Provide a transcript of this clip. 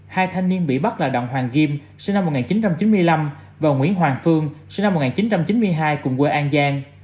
hai thanh niên bị bắt là đặng hoàng kim sinh năm một nghìn chín trăm chín mươi năm và nguyễn hoàng phương sinh năm một nghìn chín trăm chín mươi hai cùng quê an giang